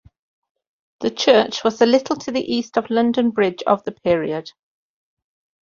The church was a little to the east of London Bridge of the period.